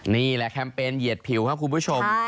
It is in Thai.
นี่แหละแคมเปญเหยียดผิวครับคุณผู้ชม